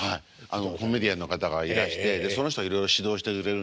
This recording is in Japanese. コメディアンの方がいらしてその人がいろいろ指導してくれるんですけども。